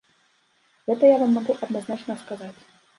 Гэта я вам магу адназначна сказаць.